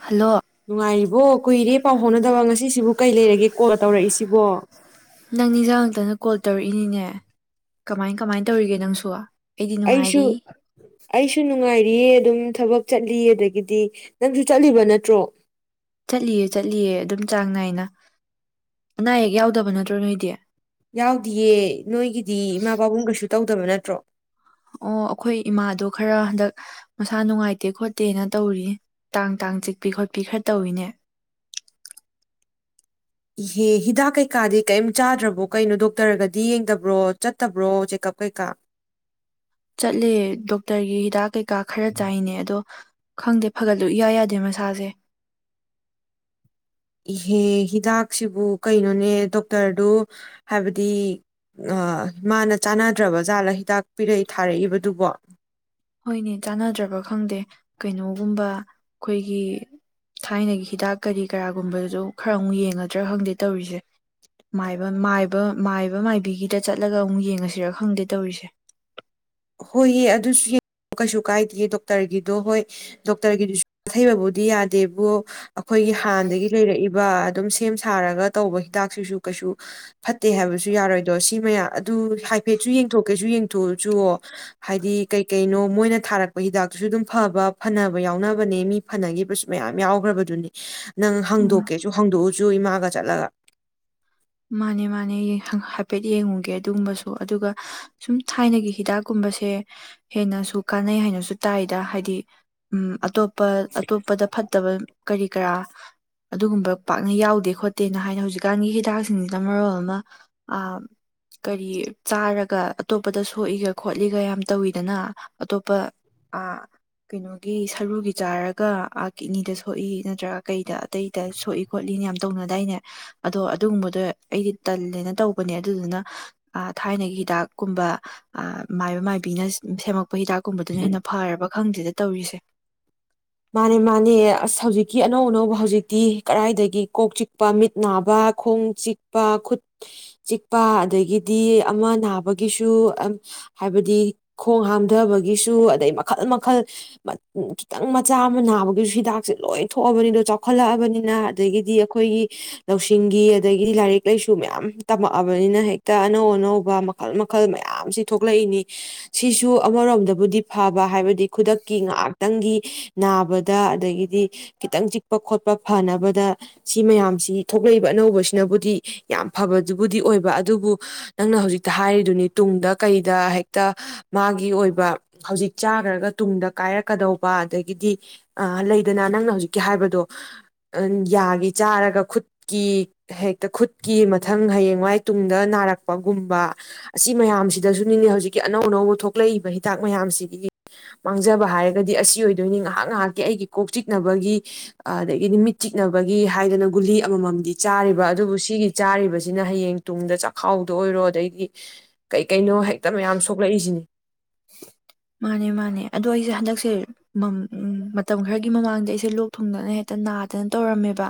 hello ꯅꯨꯡꯉꯥꯏꯔꯤꯕꯣ ꯀꯨꯏꯔꯦ ꯄꯥꯎ ꯐꯥꯎꯅꯗꯕ ꯉꯁꯤꯁꯤꯕꯨ ꯀꯩ ꯂꯩꯔꯒꯦ ꯀꯣꯜ ꯇꯧꯔꯛꯏꯁꯤꯕꯣ ꯅꯪ ꯅꯤꯖ ꯉꯛꯇꯅ ꯀꯣꯜ ꯇꯧꯔꯛꯏꯅꯤꯅꯦ ꯀꯃꯥꯏ ꯀꯃꯥꯏ ꯇꯧꯔꯤꯒꯦ ꯅꯪꯁꯨ ꯑꯩꯁꯨ ꯅꯨꯡꯉꯥꯏꯔꯤ ꯑꯁꯨꯨꯅ ꯅꯨꯡꯉꯥꯏꯔꯤꯌꯦ ꯑꯗꯨꯝ ꯊꯕꯛ ꯆꯠꯂꯤ ꯑꯗꯒꯤꯗꯤ ꯅꯪꯁꯨ ꯆꯠꯂꯤꯕ ꯅꯠꯇ꯭ꯔꯣ ꯆꯠꯂꯤꯌꯦ ꯆꯠꯂꯤꯌꯦ ꯑꯗꯨꯝ ꯆꯥꯡ ꯅꯥꯏꯅ ꯑꯅꯥ ꯑꯌꯦꯛ ꯌꯥꯎꯗꯕ ꯅꯠꯇ꯭ꯔꯣ ꯅꯣꯏꯗꯤ ꯌꯥꯎꯗꯤꯌꯦ ꯅꯣꯏꯒꯤꯗꯤ ꯏꯃꯥ ꯄꯥꯕꯨꯡ ꯀꯩꯁꯨ ꯇꯧꯗꯕ ꯅꯠꯇ꯭ꯔꯣ ꯑꯣ ꯑꯩꯈꯣꯏ ꯏꯃꯥꯗꯣ ꯈꯔ ꯍꯟꯗꯛ ꯃꯁꯥ ꯅꯨꯡꯉꯥꯏꯇꯦ ꯈꯣꯠꯇꯦꯅ ꯇꯧꯔꯤ ꯇꯥꯡ ꯇꯥꯡ ꯆꯤꯛꯄꯤ ꯈꯣꯠꯄꯤ ꯈꯔ ꯇꯧꯏꯅꯦ ꯏꯍꯦ ꯍꯤꯗꯥꯛ ꯀꯩꯀꯥꯗꯤ ꯀꯔꯤꯝ ꯆꯥꯗ꯭ꯔꯕꯣ ꯀꯩꯅꯣ ꯗꯣꯛꯇꯔꯒꯗꯤ ꯌꯦꯡꯗꯕ꯭ꯔꯣ ꯆꯠꯇꯕ꯭ꯔꯣ ꯆꯦꯛꯀꯞ ꯀꯩꯀꯥ ꯆꯠꯂꯦ ꯗꯣꯛꯇꯔꯒꯤ ꯍꯤꯗꯥꯛ ꯀꯩꯀꯥ ꯈꯔ ꯆꯥꯏꯅꯦ ꯑꯗꯣ ꯈꯪꯗꯦ ꯐꯒꯠꯂꯨ ꯏꯌꯥ ꯌꯥꯗꯦ ꯃꯁꯥꯁꯦ ꯏꯍꯦꯍ ꯍꯤꯗꯥꯛꯁꯤꯕꯨ ꯀꯩꯅꯣꯅꯦ ꯗꯣꯛꯇꯔꯗꯨ ꯍꯥꯏꯕꯗꯤ ꯃꯥꯅ ꯆꯥꯟꯅꯗ꯭ꯔꯕ ꯖꯥꯠꯂꯥ ꯍꯤꯗꯥꯛ ꯄꯤꯔꯛꯏ ꯊꯥꯔꯛꯏꯕꯗꯨꯕꯣ ꯍꯣꯏꯅꯦ ꯆꯥꯟꯅꯗ꯭ꯔꯕ ꯈꯪꯗꯦ ꯀꯩꯅꯣꯒꯨꯝꯕ ꯑꯩꯈꯣꯏꯒꯤ ꯊꯥꯏꯅꯒꯤ ꯍꯤꯗꯥꯛ ꯀꯔꯤ ꯀꯔꯥꯒꯨꯝꯕꯗꯨ ꯈꯔ ꯑꯃꯨꯛ ꯌꯦꯡꯉꯗ꯭ꯔꯥ ꯈꯪꯗꯦ ꯇꯧꯔꯤꯁꯦꯕꯥꯏꯕ ꯃꯥꯏꯕ ꯃꯥꯏꯕꯤꯒꯤꯗ ꯆꯠꯂꯒ ꯑꯃꯨꯛ ꯌꯦꯡꯉꯁꯤꯔ ꯈꯪꯗꯦ ꯇꯧꯔꯤꯁꯦ ꯍꯣꯏꯌꯦ ꯑꯗꯨꯁꯨ ꯀꯩꯁꯨ ꯀꯥꯏꯗꯦ ꯗꯣꯛꯇꯔꯒꯤꯗꯣ ꯍꯣꯏ ꯗꯣꯛꯇꯔꯒꯤꯗꯨꯁꯨ ꯁꯥꯊꯩꯕꯕꯨꯗꯤ ꯌꯥꯗꯦꯕꯣ ꯑꯩꯈꯣꯏꯒꯤ ꯍꯥꯟꯅꯗꯒꯤ ꯂꯩꯔꯛꯏꯕ ꯑꯗꯨꯝ ꯁꯦꯝ ꯁꯥꯔꯒ ꯇꯧꯕ ꯍꯤꯗꯥꯛꯁꯤꯁꯨ ꯀꯩꯁꯨ ꯐꯠꯇꯦ ꯍꯥꯏꯕꯁꯨ ꯌꯥꯔꯣꯏꯗꯣ ꯁꯤ ꯃꯌꯥꯝ ꯑꯗꯨ ꯍꯥꯏꯐꯦꯠꯁꯨ ꯌꯦꯡꯊꯣꯛꯀꯦꯁꯨ ꯌꯦꯡꯊꯣꯛꯆꯨ ꯍꯥꯏꯗꯤ ꯀꯩꯀꯩꯅꯣ ꯃꯣꯏꯅ ꯊꯥꯔꯛꯄ ꯍꯤꯗꯥꯛꯇꯨꯁꯨ ꯑꯗꯨꯝ ꯐꯕ ꯐꯅꯕ ꯌꯥꯎꯅꯕꯅꯦ ꯃꯤ ꯐꯅꯈꯤꯕꯁꯨ ꯃꯌꯥꯝ ꯌꯥꯎꯈ꯭ꯔꯕꯗꯨꯅꯤ ꯅꯪ ꯎꯝ ꯍꯥꯡꯗꯣꯛꯀꯦꯁꯨ ꯍꯥꯡꯗꯣꯛꯎꯁꯨ ꯏꯃꯥꯒ ꯆꯠꯂꯒ ꯃꯥꯅꯦ ꯃꯥꯅꯦ ꯍꯥꯏꯐꯦꯠ ꯌꯦꯡꯉꯨꯒꯦ ꯑꯗꯨꯒꯨꯝꯕꯁꯨ ꯑꯗꯨꯒ ꯁꯨꯝ ꯊꯥꯏꯅꯒꯤ ꯍꯤꯗꯥꯛꯀꯨꯝꯕꯁꯦ ꯍꯦꯟꯅꯁꯨ ꯀꯥꯟꯅꯩ ꯍꯥꯏꯅꯁꯨ ꯇꯥꯏꯗ ꯍꯥꯏꯗꯤ ꯎ ꯑꯇꯣꯞ ꯑꯇꯣꯞꯄꯗ ꯐꯠꯇꯕ ꯀꯔꯤ ꯀꯔꯥ ꯑꯗꯨꯒꯨꯝꯕ ꯄꯥꯛꯅ ꯌꯥꯎꯗꯦ ꯈꯣꯠꯇꯦꯅ ꯍꯥꯏꯅ ꯍꯧꯖꯤꯛꯀꯥꯟꯒꯤ ꯍꯤꯗꯥꯛ ꯁꯤꯡꯅ ꯃꯔꯣꯜ ꯑꯃ ꯀꯔꯤ ꯆꯥꯔꯒ ꯑꯇꯣꯞꯄꯗ ꯁꯣꯛꯏꯒ ꯈꯣꯠꯂꯤꯒ ꯌꯥꯝ ꯇꯧꯋꯤꯗꯅ ꯑꯇꯣꯞꯄ ꯀꯩꯅꯣꯒꯤ ꯁꯔꯨꯒꯤ ꯆꯥꯔꯒ ꯀꯤꯠꯅꯤꯗ ꯁꯣꯛꯏ ꯅꯠꯇ꯭ꯔꯒ ꯀꯩꯗ ꯑꯇꯩꯗ ꯁꯣꯛꯏ ꯈꯣꯠꯂꯤꯅ ꯌꯥꯝ ꯇꯧꯅꯗꯥꯏꯅꯦ ꯑꯗꯣ ꯑꯗꯨꯒꯨꯝꯕꯗ ꯑꯗꯣ ꯑꯩꯗꯤ ꯇꯜꯂꯦꯅ ꯇꯧꯕꯅꯦ ꯑꯗꯨꯗꯨꯅ ꯊꯥꯏꯅꯒꯤ ꯍꯤꯗꯥꯛꯀꯨꯝꯕ ꯃꯥꯏꯕ ꯃꯥꯏꯕꯤꯅ ꯁꯦꯝꯃꯛꯄ ꯍꯤꯗꯥꯛ ꯒꯨꯝꯕꯗꯨꯅ ꯍꯦꯟꯅ ꯐꯔꯕ ꯈꯪꯗꯦꯗ ꯇꯧꯔꯤꯁꯦ ꯃꯥꯅꯦ ꯃꯥꯅꯦ ꯑꯁ ꯍꯧꯖꯤꯛꯀꯤ ꯑꯅꯧ ꯑꯅꯧꯕ ꯍꯧꯖꯤꯛꯇꯤ ꯀꯗꯥꯏꯗꯒꯤ ꯀꯣꯛ ꯆꯤꯛꯄ ꯃꯤꯠ ꯅꯥꯕ ꯈꯣꯡ ꯆꯤꯛꯄ ꯈꯨꯠ ꯆꯤꯛꯄ ꯑꯗꯒꯤꯗꯤ ꯑꯃ ꯅꯥꯕꯒꯤꯁꯨ ꯍꯥꯏꯕꯗꯤ ꯈꯣꯡ ꯍꯥꯝꯊꯕꯒꯤꯁꯨ ꯑꯗꯩ ꯃꯈꯜ ꯃꯈꯜ ꯈꯤꯇꯪ ꯃꯆꯥ ꯑꯃ ꯅꯥꯕꯒꯤꯁꯨ ꯍꯤꯗꯥꯛꯁꯦ ꯂꯣꯏ ꯊꯣꯛꯑꯕꯅꯤꯗꯣ ꯆꯥꯎꯈꯠꯂꯛꯑꯕꯅꯤꯅ ꯑꯗꯒꯤꯗꯤ ꯑꯩꯈꯣꯏꯒꯤ ꯂꯧꯁꯤꯡꯒꯤ ꯑꯗꯒꯤꯗꯤ ꯂꯥꯏꯔꯤꯛ ꯂꯥꯏꯁꯨ ꯃꯌꯥꯝ ꯇꯝꯃꯛꯑꯕꯅꯤꯅ ꯍꯦꯛꯇ ꯑꯅꯧ ꯑꯅꯧꯕ ꯃꯈꯜ ꯃꯈꯜ ꯃꯌꯥꯝꯁꯤ ꯊꯣꯛꯂꯛꯏꯅꯤ ꯁꯤꯁꯨ ꯑꯃꯔꯣꯝꯗꯕꯨꯗꯤ ꯐꯕ ꯍꯥꯏꯕꯗꯤ ꯈꯨꯗꯛꯀꯤ ꯉꯥꯏꯍꯥꯛꯇꯪꯒꯤ ꯅꯥꯕꯗ ꯑꯗꯒꯤꯗꯤ ꯈꯤꯇꯪ ꯆꯤꯛꯄ ꯈꯣꯠꯄ ꯐꯅꯕꯗ ꯁꯤ ꯃꯌꯥꯝꯁꯤ ꯊꯣꯛꯂꯛꯏꯕ ꯑꯅꯧꯕꯁꯤꯅꯕꯨꯗꯤ ꯌꯥꯝ ꯐꯕꯗꯨꯕꯨꯗꯤ ꯑꯣꯏꯕ ꯑꯗꯨꯕꯨ ꯅꯪꯅ ꯍꯧꯖꯤꯛꯇ ꯍꯥꯏꯔꯤꯗꯨꯅꯤ ꯇꯨꯡꯗ ꯀꯩꯗ ꯍꯦꯛꯇ ꯃꯥꯒꯤ ꯑꯣꯏꯕ ꯍꯧꯖꯤꯛ ꯆꯥꯈ꯭ꯔꯒ ꯇꯨꯡꯗ ꯀꯥꯏꯔꯛꯀꯗꯧꯕ ꯑ ꯒꯤꯗꯤ ꯑ ꯂꯩꯗꯅ ꯅꯪꯅ ꯍꯧꯖꯤꯛꯀꯤ ꯍꯥꯏꯕꯗꯣ ꯌꯥꯒꯤ ꯆꯥꯔꯒ ꯈꯨꯠꯀꯤ ꯍꯦꯛꯇ ꯈꯨꯠꯀꯤ ꯃꯊꯪ ꯍꯌꯦꯡꯋꯥꯏ ꯇꯨꯡꯗ ꯅꯥꯔꯛꯄꯒꯨꯝꯕ ꯑꯁꯤ ꯃꯌꯥꯝꯁꯤꯗꯁꯨꯅꯤꯅꯦ ꯍꯧꯖꯤꯛꯀꯤ ꯑꯅꯧ ꯑꯅꯧꯕ ꯊꯣꯛꯂꯛꯏꯕ ꯍꯤꯗꯥꯛ ꯃꯌꯥꯝꯁꯤꯒꯤ ꯃꯥꯡꯖꯕ ꯍꯥꯏꯔꯒꯗꯤ ꯑꯁꯤ ꯑꯣꯏ ꯑꯗꯨꯏꯅꯤ ꯉꯥꯏꯍꯥꯛ ꯉꯥꯏꯍꯥꯛꯀꯤ ꯑꯩꯒꯤ ꯀꯣꯛ ꯆꯤꯛꯅꯕꯒꯤ ꯑꯗꯒꯤꯗꯤ ꯃꯤꯠ ꯆꯤꯛꯅꯕꯒꯤ ꯍꯥꯏꯗꯅ ꯒꯨꯂꯤ ꯑꯃꯃꯝꯗꯤ ꯆꯥꯔꯤꯕ ꯑꯗꯨꯕꯨ ꯁꯤꯒꯤ ꯆꯥꯔꯤꯕꯁꯤꯅ ꯍꯌꯦꯡ ꯇꯨꯡꯗ ꯆꯥꯛꯈꯥꯎꯗ ꯑꯣꯏꯔꯣ ꯑꯗꯩꯗꯤ ꯀꯩ ꯀꯩꯅꯣ ꯍꯦꯛꯇ ꯃꯌꯥꯝ ꯁꯣꯛꯂꯛꯏꯁꯤꯅꯤ ꯃꯥꯅꯦ ꯃꯥꯅꯦ ꯑꯗꯣ ꯑꯩꯁꯦ ꯍꯟꯗꯛꯁꯦ ꯃꯇꯝ ꯈꯔꯒꯤ ꯃꯃꯥꯡꯗ ꯑꯩꯁꯦ ꯂꯣꯛ ꯊꯨꯡꯗꯅ ꯍꯦꯛꯇ ꯅꯥꯗꯅ ꯇꯧꯔꯝꯃꯦꯕ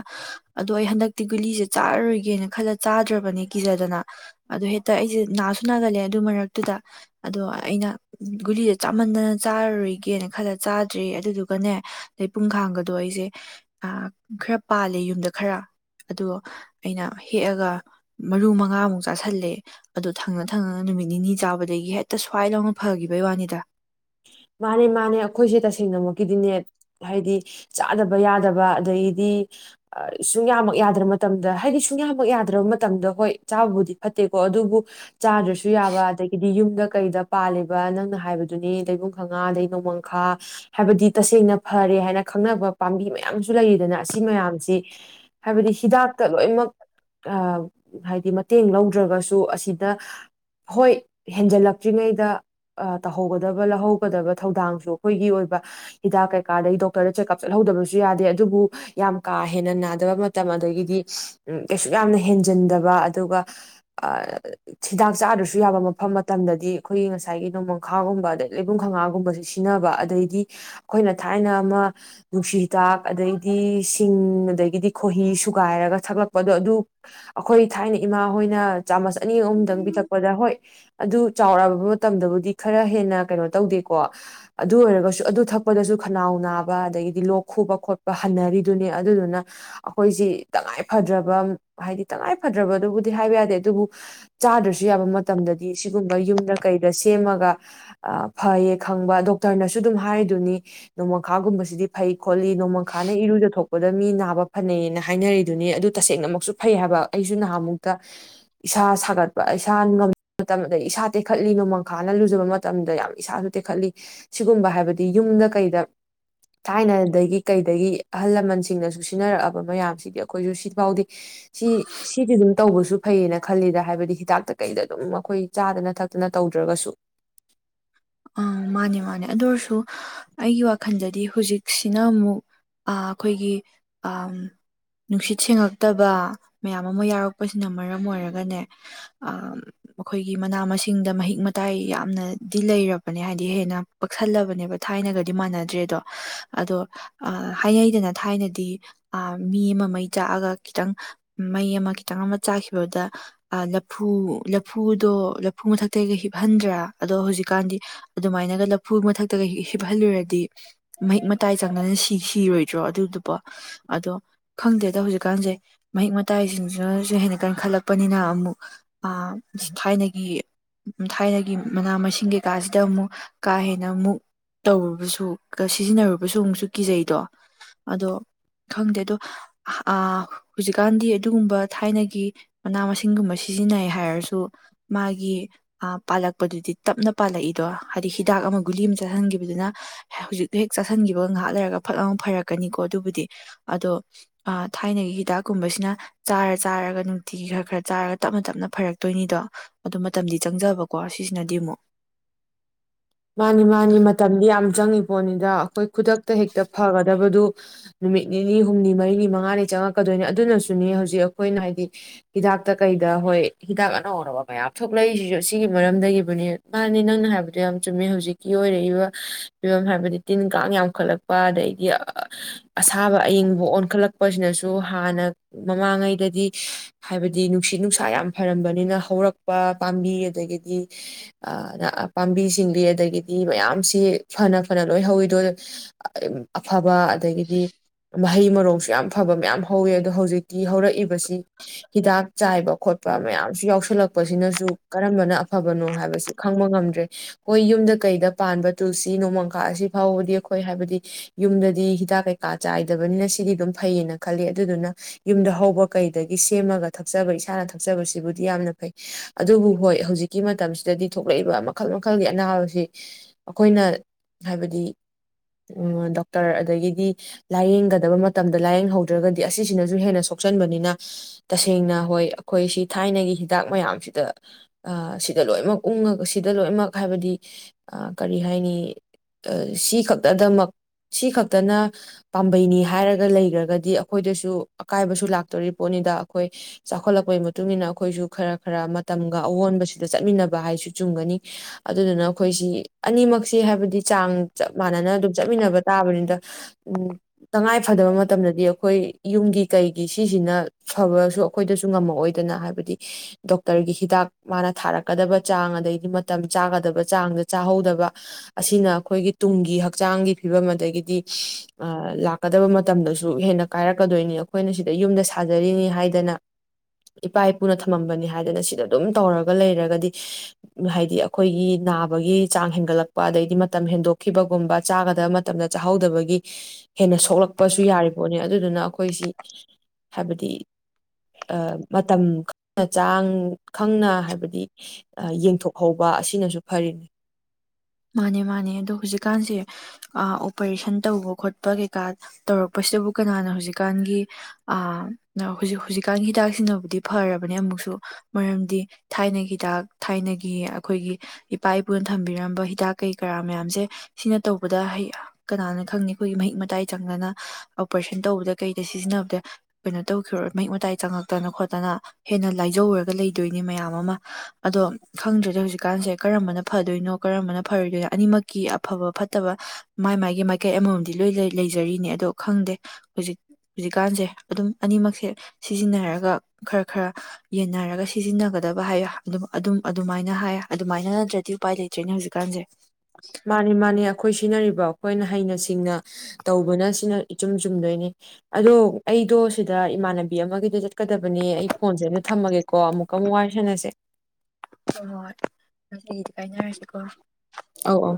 ꯑꯗꯣ ꯑꯩ ꯍꯟꯗꯛꯇꯤ ꯒꯨꯂꯤꯁꯦ ꯆꯥꯔꯔꯣꯏꯒꯦꯅ ꯈꯜꯂ ꯆꯥꯗ꯭ꯔꯕꯅꯦ ꯀꯤꯖꯗꯅ ꯑꯣ ꯍꯦꯛꯇ ꯑꯩꯁꯦ ꯅꯥꯁꯨ ꯅꯥꯒꯜꯂꯦ ꯑꯗꯨ ꯃꯔꯛꯇꯨꯗ ꯑꯗꯣ ꯑꯩꯅ ꯒꯨꯂꯤꯗ ꯆꯥꯃꯟꯗꯅ ꯆꯥꯔꯔꯔꯤꯒꯦꯅ ꯈꯜꯂ ꯆꯥꯗ꯭ꯔꯦ ꯑꯗꯨꯗꯨꯒꯅꯦ ꯑ ꯄꯨꯡꯈꯥꯡꯒꯗꯣ ꯑꯩꯁꯦ ꯈꯔ ꯄꯥꯜꯂꯦ ꯌꯨꯝꯗ ꯈꯔ ꯑꯗꯣ ꯑꯩꯅ ꯍꯦꯛꯑꯒ ꯃꯔꯨ ꯃꯉꯥꯃꯨꯛ ꯆꯥꯥꯁꯜꯂꯦ ꯑꯗꯣ ꯊꯪꯅ ꯊꯪꯅꯅ ꯅꯨꯃꯤꯠ ꯅꯤꯅꯤ ꯆꯥꯕꯗꯒꯤ ꯍꯦꯛꯇ ꯁ꯭ꯋꯥꯏ ꯂꯧꯥꯎꯅ ꯐꯈꯤꯕꯩ ꯋꯥꯅꯤꯗ ꯃꯥꯅꯦ ꯃꯥꯅꯦ ꯑꯩꯈꯣꯏꯁꯦ ꯇꯁꯦꯡꯅꯃꯛꯀꯤꯗꯤꯅꯦ ꯍꯥꯏꯗꯤ ꯆꯥꯗꯕ ꯌꯥꯗꯕ ꯑꯗꯒꯤꯗꯤ ꯁꯨꯡꯌꯥꯃꯛ ꯌꯥꯗ꯭ꯔꯕ ꯃꯇꯝꯗ ꯍꯥꯏꯗꯤ ꯁꯨꯡꯌꯥꯃꯛ ꯌꯥꯗ꯭ꯔꯕ ꯃꯇꯝꯗ ꯍꯣꯏ ꯆꯥꯕꯕꯨꯗꯤ ꯐꯠꯇꯦꯀꯣ ꯑꯗꯨꯕꯨ ꯆꯥꯗ꯭ꯔꯁꯨ ꯌꯥꯕ ꯑꯗꯒꯤꯗꯤ ꯌꯨꯝꯗ ꯀꯩꯗ ꯄꯥꯜꯂꯤꯕ ꯅꯪꯅ ꯍꯥꯏꯕꯗꯨꯅꯤ ꯂꯩꯕꯨꯡ ꯈꯉꯥ ꯂꯩꯅꯨꯡꯣꯡꯃꯪꯈꯥ ꯍꯥꯏꯕꯗꯤ ꯇꯁꯦꯡꯅ ꯐꯔꯦ ꯍꯥꯏꯅ ꯈꯪꯅꯕ ꯄꯥꯝꯕꯤ ꯃꯌꯥꯝꯁꯨ ꯂꯩꯔꯤꯗꯅ ꯑꯁꯤ ꯃꯌꯥꯝꯁꯤ ꯍꯥꯏꯕꯗꯤ ꯍꯤꯗꯥꯛꯇ ꯂꯣꯏꯃꯛ ꯍꯥꯏꯗꯤ ꯃꯇꯦꯡ ꯂꯧꯗ꯭ꯔꯒꯁꯨ ꯑꯁꯤꯗ ꯍꯣꯏ ꯍꯦꯟꯖꯜꯂꯛꯇ꯭ꯔꯤꯉꯩꯗ ꯇꯧꯍꯧꯒꯗꯕ ꯂꯧꯗꯕ ꯊꯧꯗꯥꯡ ꯑꯩꯈꯒꯤ ꯑꯣꯏꯕ ꯍꯤꯗ ꯀꯩ ꯗꯣꯛꯔꯗ ꯆꯑꯞ ꯆꯠꯍꯧꯗꯕꯁꯨ ꯌꯥꯗꯦ ꯑꯗꯨꯕꯨ ꯌꯥꯝ ꯀꯥ ꯍꯦꯟꯅ ꯅꯥꯗꯕ ꯃꯇꯝ ꯑꯗꯒꯤꯗꯤ ꯀꯩ ꯌꯥꯝꯅ ꯍꯦꯟꯖꯤꯟꯗꯕ ꯑꯗꯨꯒ ꯍꯤꯗꯥꯛ ꯆꯥꯗ꯭ꯔꯁꯨ ꯌꯥꯕ ꯃꯐꯝ ꯃꯇꯝꯗꯗꯤ ꯑꯩꯈꯣꯏꯒꯤ ꯉꯁꯥꯏꯒꯤ ꯅꯣꯡꯃꯪꯈꯥꯒꯨꯝꯕ ꯑ ꯂꯩꯕꯨꯝ ꯈꯥꯉꯥꯒꯨꯝꯕꯁꯦ ꯁꯤꯖꯤꯟꯅꯕ ꯑꯗꯩꯗꯤ ꯑꯩꯈꯣꯏꯅ ꯊꯥꯏꯅ ꯑꯃ ꯅꯨꯡꯁꯤ ꯍꯤꯗꯥꯛ ꯑꯗꯩꯗꯤ ꯁꯤꯡ ꯑꯗꯒꯤꯗꯤ ꯈꯣꯍꯤ ꯁꯨꯒꯥꯏꯔꯒ ꯊꯛꯂꯛꯄꯗꯣ ꯑꯗꯨ ꯑꯩꯈꯣꯏ ꯊꯥꯏꯅ ꯏꯃꯥ ꯍꯣꯏꯅ ꯆꯥꯃ ꯆ ꯑꯅꯤ ꯑꯍꯨꯝꯗꯪ ꯄꯤꯊꯛꯄꯗ ꯍꯣꯏ ꯑꯗꯨ ꯆꯥꯎꯔꯛꯕ ꯃꯇꯝꯗꯕꯨꯗꯤ ꯈꯔ ꯍꯦꯟꯅ ꯀꯩꯅꯣ ꯇꯧꯗꯦꯀꯣ ꯑꯗꯨ ꯑꯣꯏꯔꯒꯁꯨ ꯑꯗꯨ ꯊꯛꯄꯗꯁꯨ ꯈꯅꯥꯎ ꯅꯥꯕ ꯑꯗꯒꯤꯗꯤ ꯂꯣꯛ ꯈꯨꯕ ꯈꯣꯠꯄ ꯍꯟꯅꯔꯤꯗꯨꯅꯦ ꯑꯗꯨꯗꯨꯅ ꯑꯩꯈꯣꯏꯁꯤ ꯇꯉꯥꯏ ꯐꯗ꯭ꯔꯕ ꯍꯥꯏꯗꯤ ꯇꯉꯥꯏ ꯐꯗ꯭ꯔꯕ ꯑꯗꯨꯕꯨꯗꯤ ꯍꯥꯏꯕ ꯌꯥꯗꯦ ꯑꯗꯨꯕꯨ ꯆꯥꯗ꯭ꯔꯁꯨ ꯌꯥꯕ ꯃꯇꯝꯗꯗꯤ ꯁꯤꯒꯨꯝꯕ ꯌꯨꯝꯗ ꯀꯩꯗ ꯁꯦꯝꯃꯒ ꯐꯩꯌꯦ ꯈꯪꯕ ꯗꯣꯛꯇꯔꯅꯁꯨ ꯑꯗꯨꯝ ꯍꯥꯏꯔꯤꯗꯨꯅꯤ ꯅꯣꯡꯃꯪꯈꯥꯒꯨꯝꯕꯁꯤꯗꯤ ꯐꯩ ꯈꯣꯠꯂꯤ ꯅꯣꯡꯃꯪꯈꯥꯅ ꯏꯔꯨꯖꯊꯣꯛꯄꯗ ꯃꯤ ꯅꯥꯕ ꯐꯅꯩꯌꯦꯅ ꯍꯥꯏꯅꯔꯤꯗꯨꯅꯤ ꯑꯗꯨ ꯇꯁꯦꯡꯅꯃꯛꯁꯨ ꯐꯩ ꯍꯥꯏꯕ ꯑꯩꯁꯨ ꯅꯍꯥꯟꯃꯨꯛꯇ ꯏꯁꯥ ꯁꯥꯒꯠꯄ ꯏꯁꯥ ꯉ ꯃꯇꯝ ꯑꯗ ꯏꯁꯥ ꯇꯦꯛꯈꯠꯂꯤ ꯅꯣꯡꯃꯪꯈꯥꯅ ꯂꯨꯖꯕ ꯃꯇꯝꯗ ꯌꯥꯝ ꯏꯁꯥꯁꯨ ꯇꯦꯛꯈꯠꯂꯤ ꯁꯤꯒꯨꯝꯕ ꯍꯥꯏꯕꯗꯤ ꯌꯨꯝꯗ ꯀꯩꯗ ꯊꯥꯏꯅꯗꯒꯤ ꯀꯩꯗꯒꯤ ꯑꯍꯜ ꯂꯃꯟꯁꯤꯡꯅꯁꯨ ꯁꯤꯟꯅꯔꯛꯑꯕ ꯃꯌꯥꯝꯁꯤꯗꯤ ꯑꯩꯈꯣꯏꯁꯨ ꯁꯤ ꯐꯥꯎꯗꯦ ꯁꯤ ꯁꯤꯗꯤ ꯑꯗꯨꯝ ꯇꯧꯕꯁꯨ ꯐꯩꯌꯦꯅ ꯈꯜꯂꯤꯗ ꯍꯥꯏꯕꯗꯤ ꯍꯤꯗꯥꯛꯇ ꯀꯩꯗ ꯑꯗꯨꯝ ꯑꯩꯈꯣꯏ ꯆꯥꯗꯅ ꯊꯛꯇꯅ ꯇꯧꯗ꯭ꯔꯒꯁꯨ ꯑ ꯃꯥꯅꯦ ꯃꯥꯅꯦ ꯑꯗꯨ ꯑꯣꯏꯔꯁꯨ ꯑꯩꯒꯤ ꯋꯥꯈꯜꯗꯗꯤ ꯍꯧꯖꯤꯛꯁꯤꯅ ꯑꯃꯨꯛ ꯑꯩꯈꯣꯏꯒꯤ ꯅꯨꯡꯁꯤꯠ ꯁꯦꯡꯉꯛꯇꯕ ꯃꯌꯥꯝ ꯑꯃ ꯌꯥꯎꯔꯛꯄꯁꯤꯅ ꯃꯔꯝ ꯑꯣꯏꯔꯒꯅꯦ ꯑꯩꯈꯣꯏꯒꯤ ꯃꯅꯥ ꯃꯁꯤꯡꯗ ꯃꯍꯤꯛ ꯃꯇꯥꯏ ꯌꯥꯝꯅ ꯗꯤ ꯂꯩꯔꯕꯅꯦ ꯍꯥꯏꯕꯗꯤ ꯍꯦꯟꯅ ꯄꯛꯁꯜꯂꯕꯅꯦꯕ ꯊꯥꯏꯅꯒꯗꯤ ꯃꯥꯟꯅꯗ꯭ꯔꯦ ꯑꯗꯣ ꯑꯗꯣ ꯍꯥꯏꯅꯩꯗꯅ ꯊꯥꯏꯅꯗꯤ ꯑ ꯃꯤ ꯑꯃ ꯃꯩ ꯆꯥꯛꯑꯒ ꯈꯤꯇꯪ ꯃꯩ ꯑꯃ ꯈꯤꯇꯪ ꯑꯃ ꯆꯥꯈꯤꯕꯗ ꯂꯐꯨ ꯂꯐꯨꯗꯣ ꯂꯐꯨ ꯃꯊꯛꯇꯒ ꯍꯤꯞꯍꯟꯗ꯭ꯔꯥ ꯑꯗꯣ ꯍꯧꯖꯤꯛꯀꯥꯟꯗꯤ ꯑꯗꯨꯃꯥꯏꯅꯒ ꯂꯐꯨꯒꯤ ꯃꯊꯛꯇꯒ ꯍꯞꯍꯜꯂꯨꯔꯗꯤ ꯃꯍꯤꯛ ꯃꯇꯥꯏ ꯆꯪꯗꯅ ꯁꯤ ꯁꯤꯔꯣꯏꯗ꯭ꯔꯣ ꯑꯗꯨꯗꯨꯀꯣ ꯑꯗꯣ ꯈꯪꯗꯦꯗ ꯍꯧꯖꯤꯛꯀꯥꯟꯁꯦ ꯃꯍꯤꯛ ꯃꯇꯥꯏꯁꯤꯡꯁꯤꯅꯁꯨ ꯍꯦꯟꯅ ꯀꯟꯈꯠꯂꯛꯄꯅꯤꯅ ꯑꯃꯨꯛ ꯊꯥꯏꯅꯒꯤ ꯊꯥꯏꯅꯒꯤ ꯃꯅꯥ ꯃꯁꯤꯡ ꯀꯩꯀꯥꯁꯤꯗ ꯑꯃꯨꯛ ꯀꯥ ꯍꯦꯟꯅ ꯑꯃꯨꯛ ꯇꯧꯔꯨꯕꯁꯨ ꯁꯤꯖꯤꯟꯅꯔꯨꯕꯁꯨ ꯑꯃꯨꯛꯁꯨ ꯀꯤꯖꯩꯗꯣ ꯑꯗꯣ ꯈꯪꯗꯦ ꯑꯗꯣ ꯍꯧꯖꯤꯛꯀꯥꯟꯗꯤ ꯑꯗꯨꯒꯨꯝꯕ ꯊꯥꯏꯅꯒꯤ ꯃꯅꯥ ꯃꯁꯤꯡꯒꯨꯝꯕ ꯁꯤꯖꯤꯟꯅꯩ ꯍꯥꯏꯔꯁꯨ ꯃꯥꯒꯤ ꯄꯥꯂꯛ ꯀꯛꯄꯗꯨꯗꯤ ꯇꯞꯅ ꯄꯥꯜꯂꯛꯏꯗꯣ ꯍꯥꯏꯗꯤ ꯍꯤꯗꯥꯛ ꯑꯃ ꯒꯨꯂꯤ ꯑꯃ ꯆꯥꯥꯁꯟꯈꯤꯕꯗꯨꯅ ꯍꯧꯖꯤꯛꯇꯣ ꯍꯦꯛ ꯆꯥꯥꯁꯟꯈꯤꯕꯒ ꯉꯥꯏꯍꯥꯛ ꯂꯩꯔꯒ ꯐꯛ ꯑꯃ ꯐꯔꯛꯀꯅꯤꯀꯣ ꯑꯗꯨꯕꯨꯗꯤ ꯑꯗꯣ ꯊꯥꯏꯅꯒꯤ ꯍꯤꯗꯥꯛꯀꯨꯝꯕꯁꯤꯅ ꯆꯥꯔ ꯆꯥꯔꯒ ꯅꯨꯡꯇꯤꯒꯤ ꯈꯔ ꯈꯔ ꯆꯥꯔꯒ ꯇꯞꯅ ꯇꯞꯅ ꯐꯔꯛꯇꯣꯏꯅꯤꯗꯣ ꯑꯗꯨꯗ ꯃꯇꯝꯗꯤ ꯆꯪꯖꯕꯀꯣ ꯀꯣ ꯁꯤꯁꯤꯅꯗꯤ ꯑꯃꯨꯛ ꯃꯥꯅꯤ ꯃꯥꯅꯤ ꯃꯇꯝꯗꯤ ꯌꯥꯝ ꯆꯪꯏꯤ ꯄꯣꯠꯅꯤꯗ ꯑꯩꯈꯣꯏ ꯈꯨꯗꯛꯇ ꯍꯦꯛꯇ ꯐꯒꯗꯕꯗꯨ ꯅꯨꯃꯤꯠ ꯅꯤꯅꯤ ꯍꯨꯝꯅꯤ ꯃꯔꯤꯅꯤ ꯃꯉꯥꯅꯤ ꯆꯪꯉꯛꯀꯗꯣꯏꯅꯤ ꯑꯗꯨꯅꯁꯨꯅꯤ ꯍꯧꯖꯤꯛ ꯑꯩꯈꯣꯏꯅ ꯍꯥꯏꯗꯤ ꯍꯤꯗꯥꯛꯇ ꯀꯩꯗ ꯍꯣꯏ ꯍꯤꯗꯥꯛ ꯑꯅꯧ ꯑꯧꯕ ꯃꯌꯥꯝ ꯊꯣꯛꯂꯛꯏꯁꯤꯁꯨ ꯑꯁꯤꯒꯤꯒꯤ ꯃꯔꯝꯗꯒꯤꯕꯨꯅꯦ ꯃꯥꯅꯤ ꯅꯪꯅ ꯍꯥꯏꯕꯗꯨꯣ ꯌꯥꯝ ꯆꯨꯝꯃꯦ ꯍꯧꯖꯤꯛꯀꯤ ꯑꯣꯏꯔꯛꯏꯕ ꯐꯤꯕꯝ ꯍꯥꯏꯕꯗꯤ ꯇꯤꯟ ꯀꯥꯡ ꯌꯥꯝꯈꯠꯂꯛꯄ ꯑꯗꯩꯗꯤ ꯑꯁꯥꯕ ꯑꯏꯪꯕ ꯑꯣꯟꯈꯠꯂꯛꯄꯁꯤꯅꯁꯨ ꯍꯥꯟꯅ ꯃꯃꯥꯡꯉꯩꯗꯗꯤ ꯍꯥꯏꯕꯗꯤ ꯅꯨꯡꯁꯤꯠ ꯅꯨꯡꯁꯥ ꯌꯥꯝ ꯐꯔꯝꯕꯅꯤꯅ ꯍꯧꯔꯛꯄ ꯄꯥꯝꯕꯤ ꯑꯗꯒꯤꯗꯤ ꯄꯥꯝꯕꯤ ꯆꯤꯡꯂꯤ ꯑꯗꯒꯤꯗꯤ ꯃꯌꯥꯝꯁꯤ ꯐꯅ ꯐꯅ ꯂꯣꯏ ꯍꯧꯋꯤꯗꯣ ꯑꯐꯕ ꯑꯗꯒꯤꯗꯤ ꯃꯍꯩ ꯃꯔꯣꯡꯁꯨ ꯌꯥꯝ ꯐꯕ ꯃꯌꯥꯝ ꯍꯧꯋꯤ ꯑꯗꯣ ꯍꯧꯖꯤꯛꯇꯤ ꯍꯧꯔꯛꯏꯕꯁꯤ ꯍꯤꯗꯥꯛ ꯆꯥꯏꯕ ꯈꯣꯠꯄ ꯃꯌꯥꯝꯁꯨ ꯌꯥꯎꯁꯜꯂꯛꯄꯁꯤꯅꯁꯨ ꯀꯔꯝꯕꯅ ꯑꯐꯕꯅꯣ ꯍꯥꯏꯕꯁꯤ ꯈꯪꯕ ꯉꯝꯗ꯭ꯔꯦ ꯍꯣꯏ ꯌꯨꯝꯗ ꯀꯩꯗ ꯄꯥꯟꯕ ꯇꯨꯜꯁꯤ ꯅꯣꯡꯃꯪꯈꯥ ꯑꯁꯤ ꯐꯥꯎꯕꯗꯤ ꯑꯩꯈꯣꯏ ꯍꯥꯏꯕꯗꯤ ꯌꯨꯝꯗꯗꯤ ꯍꯤꯗꯥꯛ ꯀꯩꯀꯥ ꯆꯥꯏꯗꯕꯅꯤꯅ ꯁꯤꯗꯤ ꯑꯗꯨꯝ ꯐꯩꯌꯦꯅ ꯈꯜꯂꯤ ꯑꯗꯨꯗꯨꯅ ꯌꯨꯝꯗ ꯍꯧꯕ ꯀꯩꯗꯒꯤ ꯁꯦꯝꯃꯒ ꯊꯛꯆꯕ ꯏꯁꯥꯅ ꯊꯛꯆꯕꯁꯤꯕꯨꯗꯤ ꯌꯥꯝꯅ ꯐꯩ ꯑꯗꯨꯕꯨ ꯍꯣꯏ ꯍꯧꯖꯤꯛꯀꯤ ꯃꯇꯝꯁꯤꯗꯗꯤ ꯊꯣꯛꯂꯛꯏꯕ ꯃꯈꯜ ꯃꯈ ꯃꯈꯜꯒꯤ ꯑꯅꯥꯕꯁꯤ ꯑꯩꯈꯣꯏꯅ ꯍꯥꯏꯕꯗꯤ ꯗꯣꯛꯇꯔ ꯑꯗꯒꯤꯗꯤ ꯂꯥꯏꯌꯦꯡꯒꯗꯕ ꯃꯇꯝꯗ ꯂꯥꯏꯌꯦꯡꯍꯧꯗ꯭ꯔꯒꯗꯤ ꯑꯁꯤꯁꯤꯅꯁꯨ ꯍꯦꯟꯅ ꯁꯣꯛꯆꯟꯕꯅꯤꯅ ꯇꯁꯦꯡꯅ ꯍꯣꯏ ꯑꯩꯈꯣꯏ ꯁꯤ ꯊꯥꯏꯅꯒꯤ ꯍꯤꯗꯥꯛ ꯃꯌꯥꯝꯁꯤꯗ ꯁꯤꯗ ꯂꯣꯏꯅꯃꯛ ꯎꯡꯉꯒ ꯁꯤꯗ ꯂꯣꯏꯅꯃꯛ ꯍꯥꯏꯕꯗꯤ ꯀꯔꯤ ꯍꯥꯏꯅꯤ ꯁꯤ ꯈꯛꯇꯗꯃꯛ ꯁꯤ ꯈꯛꯇꯅ ꯄꯥꯝꯕꯩꯅꯤ ꯍꯥꯏꯔꯒ ꯂꯩꯈ꯭ꯔꯒꯗꯤ ꯑꯩꯈꯣꯏꯗꯁꯨ ꯑꯀꯥꯏꯕꯁꯨ ꯂꯥꯛꯇꯣꯔꯤ ꯄꯣꯠꯅꯤꯗ ꯑꯩꯈꯣꯏ ꯆꯥꯎꯈꯠꯂꯛꯄꯩ ꯃꯇꯨꯡ ꯏꯟꯅ ꯑꯩꯈꯣꯏꯁꯨ ꯈꯔ ꯈꯔ ꯃꯇꯝꯒ ꯑꯑꯣꯟꯕꯁꯤꯗ ꯆꯠꯃꯤꯟꯅꯕ ꯍꯥꯏꯁꯨ ꯆꯨꯝꯒꯅꯤ ꯑꯗꯨꯗꯨꯅ ꯑꯩꯈꯣꯏꯁꯤ ꯑꯅꯤꯃꯛꯁꯤ ꯍꯥꯏꯕꯗꯤ ꯆꯥꯡ ꯆꯞ ꯃꯥꯟꯅꯅ ꯑꯗꯨꯝ ꯆꯠꯃꯤꯟꯅꯕ ꯇꯥꯕꯅꯤꯗ ꯇꯉꯥꯏ ꯐꯗꯕ ꯃꯇꯝꯗꯗꯤ ꯑꯩꯈꯣꯏ ꯌꯨꯝꯒꯤ ꯀꯩꯒꯤ ꯁꯤꯁꯤꯅ ꯐꯕꯁꯨ ꯑꯩꯈꯣꯏꯗꯁꯨ ꯉꯝꯃꯛꯑꯣꯏꯗꯅ ꯍꯥꯏꯕꯗꯤ ꯗꯣꯛꯇꯔꯒꯤ ꯍꯤꯗꯥꯛ ꯃꯥꯅ ꯊꯥꯔꯛꯀꯗꯕ ꯆꯥꯡ ꯑꯗꯩꯗꯤ ꯃꯇꯝ ꯆꯥꯒꯗꯕ ꯆꯥꯡꯗ ꯆꯥꯍꯧꯗꯕ ꯑꯁꯤꯅ ꯑꯩꯈꯣꯏꯒꯤ ꯇꯨꯡꯒꯤ ꯍꯛꯆꯥꯡꯒꯤ ꯐꯤꯕꯝ ꯑꯗꯒꯤꯗꯤ ꯂꯥꯛꯀꯗꯕ ꯃꯇꯝꯗꯁꯨ ꯍꯦꯟꯅ ꯀꯥꯏꯔꯛꯀꯗꯣꯏꯅꯤ ꯑꯩꯈꯣꯏꯅ ꯁꯤꯗ ꯌꯨꯝꯗ ꯁꯥꯖꯔꯤꯅꯤ ꯍꯥꯏꯗꯅ ꯏꯄꯥ ꯏꯄꯨꯅ ꯊꯝꯃꯝꯕꯅꯤ ꯍꯥꯏꯗꯅ ꯁꯤꯗ ꯑꯗꯨꯝ ꯇꯧꯔꯒ ꯂꯩꯔꯒꯗꯤ ꯍꯥꯏꯗꯤ ꯑꯩꯈꯣꯏꯒꯤ ꯅꯥꯕꯒꯤ ꯆꯥꯡ ꯍꯦꯟꯒꯠꯂꯛꯄ ꯑꯗꯩꯗꯤ ꯃꯇꯝ ꯍꯦꯟꯗꯣꯛꯈꯤꯕꯒꯨꯝꯕ ꯆꯥꯒꯗꯕ ꯃꯇꯝꯗ ꯆꯥꯍꯧꯗꯕꯒꯤ ꯍꯦꯟꯅ ꯁꯣꯛꯂꯛꯄꯁꯨ ꯌꯥꯔꯤꯕꯣꯠꯅꯤ ꯑꯗꯨꯗꯨꯅ ꯑꯩꯈꯣꯏꯁꯤ ꯍꯥꯏꯕꯗꯤ ꯃꯇꯝ ꯈꯪꯅ ꯆꯥꯡ ꯈꯪꯅ ꯍꯥꯏꯕꯗꯤ ꯌꯦꯡꯊꯣꯛꯍꯧꯕ ꯋꯥ ꯑꯁꯤꯅꯁꯨ ꯐꯔꯤꯅꯤ ꯃꯥꯅꯦ ꯃꯥꯅꯦ ꯑꯗꯣ ꯍꯧꯖꯤꯛꯀꯥꯟꯁꯦ ꯑꯣꯄꯔꯦꯁꯟ ꯇꯧꯕ ꯈꯣꯠꯄ ꯀꯩꯀꯥ ꯇꯧꯔꯛꯄꯁꯤꯗꯕꯨ ꯀꯅꯥꯅ ꯍꯧꯖꯤꯛꯀꯥꯟꯒꯤ ꯍꯧꯖꯤꯛ ꯍꯧꯖꯤꯛꯀꯥꯟꯒꯤ ꯍꯤꯗꯥꯛꯁꯤꯅꯕꯨꯗꯤ ꯐꯔꯕꯅꯦ ꯑꯃꯨꯛꯁꯨ ꯃꯔꯝꯗꯤ ꯊꯥꯏꯅꯒꯤ ꯍꯤꯗꯥꯛ ꯊꯥꯏꯅꯒꯤ ꯑꯩꯈꯣꯏꯒꯤ ꯏꯄꯥ ꯏꯄꯨꯅ ꯊꯝꯕꯤꯔꯝꯕ ꯍꯤꯗꯥꯛ ꯀꯩ ꯀꯔꯥ ꯃꯌꯥꯝꯁꯦ ꯁꯤꯅ ꯇꯧꯕꯗ ꯍ ꯀꯅꯥꯅ ꯈꯪꯉꯤ ꯑꯩꯈꯣꯏꯒꯤ ꯃꯍꯤꯛ ꯃꯇꯥꯏ ꯆꯪꯗꯅ ꯑꯣꯄꯔꯦꯁꯟ ꯇꯧꯕꯗ ꯀꯩꯗ ꯁꯤꯖꯤꯟꯅꯕꯗ ꯀꯩꯅꯣ ꯇꯧ ꯃꯍꯤꯛ ꯃꯇꯥꯏ ꯆꯪꯉꯛꯇꯅ ꯈꯣꯠꯇꯅ ꯍꯦꯟꯅ ꯂꯥꯏꯖꯧꯔꯒ ꯂꯩꯗꯣꯏꯅꯤ ꯃꯌꯥꯝ ꯑꯃ ꯑꯗꯣ ꯈꯪꯗ꯭ꯔꯗ ꯍꯧꯖꯤꯛꯀꯥꯟꯁꯦ ꯀꯔꯝꯕꯅ ꯐꯗꯣꯏꯅꯣ ꯀꯔꯝꯕꯅ ꯐꯔꯣꯏꯗꯣꯏꯅ ꯑꯅꯤꯃꯛꯀꯤ ꯑꯐꯕ ꯐꯠꯇꯕ ꯃꯥꯏ ꯃꯥꯥꯏꯒꯤ ꯃꯥꯏꯀꯩ ꯑꯃꯃꯝꯗꯤ ꯂꯣꯏ ꯂꯩꯖꯔꯤꯅꯦ ꯑꯗꯣ ꯈꯪꯗꯦ ꯍꯧꯖꯤꯛ ꯍꯧꯖꯤꯛꯀꯥꯟꯁꯦ ꯑꯗꯨꯝ ꯑꯅꯤꯃꯛꯁꯦ ꯁꯤꯖꯤꯟꯅꯔꯒ ꯈꯔ ꯈꯔ ꯌꯦꯟꯅꯔꯒ ꯁꯤꯖꯤꯟꯅꯒꯗꯕ ꯍꯥꯏꯌ ꯑꯗꯨꯝ ꯑꯗꯨꯝ ꯑꯗꯨꯃꯥꯏꯅ ꯍꯥꯏ ꯑꯗꯨꯃꯥꯏꯅꯗ꯭ꯔꯗꯤ ꯎꯄꯥꯏ ꯂꯩꯇ꯭ꯔꯦꯅꯦ ꯍꯧꯖꯤꯛ ꯀꯖꯦ ꯃꯥꯅꯤ ꯃꯥꯅꯤ ꯑꯩꯈꯣꯏ ꯁꯤꯖꯤꯟꯅꯔꯤꯕ ꯑꯩꯈꯣꯏꯅ ꯍꯩꯅ ꯁꯤꯡꯅ ꯇꯧꯕꯅ ꯁꯤꯅ ꯏꯆꯨꯝ ꯆꯨꯝꯗꯣꯏꯅꯤ ꯑꯗꯣ ꯑꯩꯗꯣ ꯁꯤꯗ ꯏꯃꯥꯟꯅꯕꯤ ꯑꯃꯒꯤꯗꯣ ꯆꯠꯀꯗꯕꯅꯤ ꯑꯩ ꯐꯣꯟꯁꯦ ꯑꯗꯨ ꯊꯝꯃꯒꯦꯀꯣ ꯑꯃꯨꯛꯀ ꯑꯃꯨꯛ ꯋꯥꯔꯤ ꯁꯅꯁꯦ ꯍ ꯍꯣꯏ ꯀꯥꯏꯅꯔꯁꯤꯀꯣ ꯑꯧ ꯑꯧ